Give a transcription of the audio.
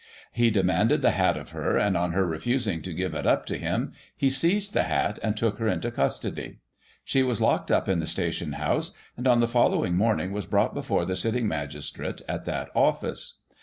He de manded the hat of her, and, on her refusing to give it up to him, he seized the hat, and took her into custody. She was locked up in the station house, and, on the following morning, was brought before the sitting magistrate at that office.